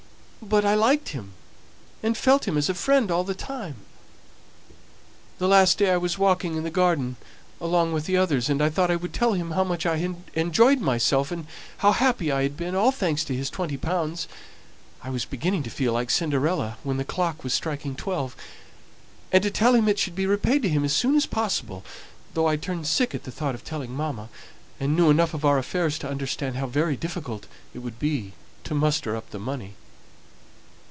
But I liked him, and felt him as a friend all the time. The last day I was walking in the garden along with the others, and I thought I would tell him how much I had enjoyed myself, and how happy I had been, all thanks to his twenty pounds (I was beginning to feel like Cinderella when the clock was striking twelve), and to tell him it should be repaid to him as soon as possible, though I turned sick at the thought of telling mamma, and knew enough of our affairs to understand how very difficult it would be to muster up the money.